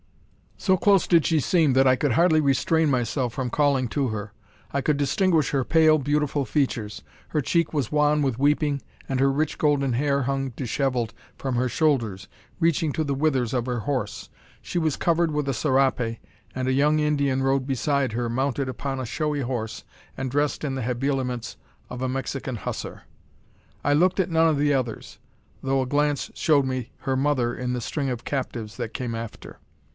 So close did she seem that I could hardly restrain myself from calling to her. I could distinguish her pale, beautiful features. Her cheek was wan with weeping, and her rich golden hair hung dishevelled from her shoulders, reaching to the withers of her horse. She was covered with a serape, and a young Indian rode beside her, mounted upon a showy horse, and dressed in the habiliments of a Mexican hussar! I looked at none of the others, though a glance showed me her mother in the string of captives that came after.